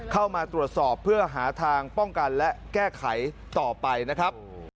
เข้ามาตรวจสอบเพื่อหาทางป้องกันและแก้ไขต่อไปนะครับ